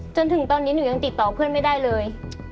จนถึงตอนนี้หนูยังติดต่อเพื่อนไม่ได้เลย